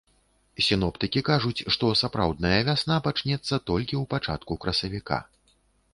Сіноптыкі кажуць, што сапраўдная вясна пачнецца толькі ў пачатку красавіка.